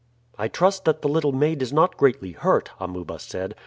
"I trust that the little maid is not greatly hurt," Amuba said.